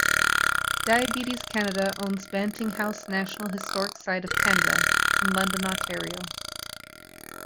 Diabetes Canada owns Banting House National Historic Site of Canada in London, Ontario.